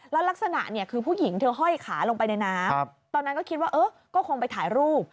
แล้วลักษณะเนี่ยคือผู้หญิงเธอห้อยขาลงไปในน้ำตอนนั้นก็คิดว่าเออก็คงไปถ่ายรูป